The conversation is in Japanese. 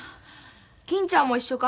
金ちゃんも一緒か？